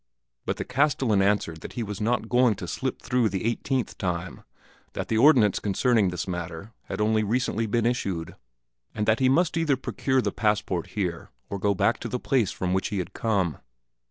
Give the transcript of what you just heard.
But the castellan answered that he was not going to slip through the eighteenth time, that the ordinance concerning this matter had been only recently issued, and that he must either procure the passport here or go back to the place from which he had come.